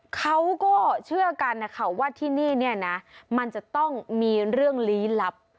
เขาก็เชื่อกันนะคะว่าที่นี่เนี่ยนะมันจะต้องมีเรื่องลี้ลับ